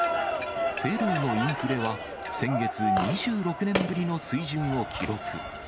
ペルーのインフレは、先月２６年ぶりの水準を記録。